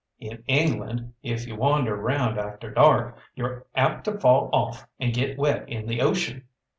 In England, if you wander round after dark, you're apt to fall off and get wet in the ocean.